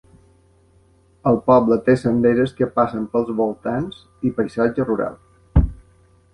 El poble té senderes que passen pels voltants i paisatge rural.